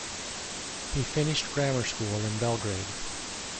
He finished grammar school in Belgrade.